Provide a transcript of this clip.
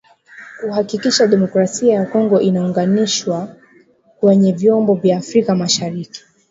kuhakikisha Demokrasia ya Kongo inaunganishwa kwenye vyombo vya Afrika mashariki